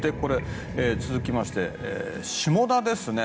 続きまして下田ですね。